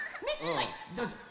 はいどうぞ。